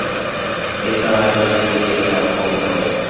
এছাড়া রাজনীতি, দূর্নীতি এটাকে আরো পঙ্গু করছে।